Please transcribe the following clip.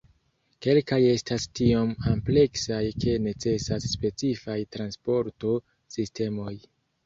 Kelkaj estas tiom ampleksaj ke necesas specifaj transporto-sistemoj.